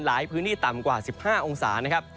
หลายพื้นที่ต่ำกว่า๑๕องศานะครับ